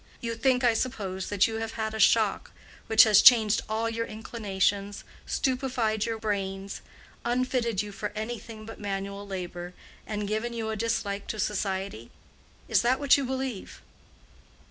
You think, I suppose, that you have had a shock which has changed all your inclinations, stupefied your brains, unfitted you for anything but manual labor, and given you a dislike to society? Is that what you believe?"